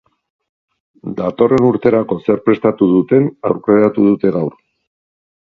Datorren urterako zer prestatu duten aurreratu dute gaur.